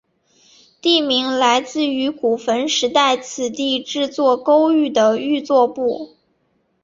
地名来自于古坟时代此地制作勾玉的玉作部。